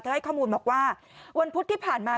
ให้ข้อมูลบอกว่าวันพุธที่ผ่านมา